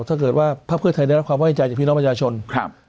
ถ้าเกิดว่าภาคเพื่อไทยได้รับความไว้ใจจากพี่น้องประชาชนครับ